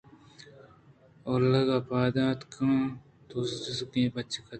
اولگا پاد اتک دروازگے ءَپچ کُت